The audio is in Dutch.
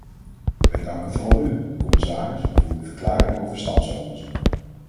Wij danken vooral u, commissaris, voor uw verklaring over stamcelonderzoek.